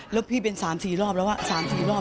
ร้องให้ฟังสักหนึ่งรอบ